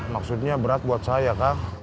maksudnya berat buat saya kan